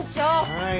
はい。